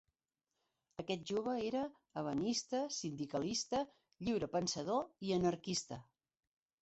Aquest jove era ebenista, sindicalista, lliurepensador i anarquista.